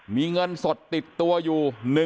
มีเงินสดติดตัวอยู่